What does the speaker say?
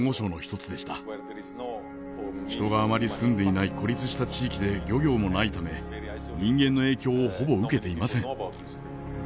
人があまり住んでいない孤立した地域で漁業もないため人間の影響をほぼ受けていません。